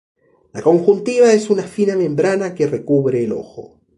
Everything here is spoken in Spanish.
La conjuntiva es una fina membrana que recubre el ojo.